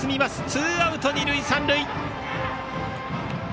ツーアウト二塁三塁。